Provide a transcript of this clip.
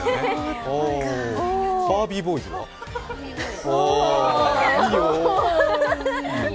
バービーボーイズは？は、いいよ。